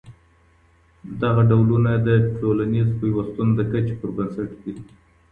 دغه ډولونه د ټولنيز پيوستون د کچي پر بنسټ دي.